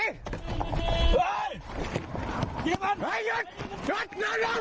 หยุดหยุดหน่อยลงหน่อยลง